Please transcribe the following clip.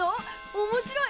おもしろい！